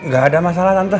gak ada masalah tante